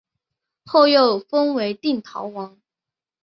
后又封为定陶王。